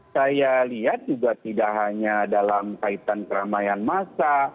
saya lihat juga tidak hanya dalam kaitan keramaian massa